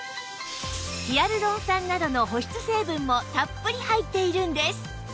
ヒアルロン酸などの保湿成分もたっぷり入っているんです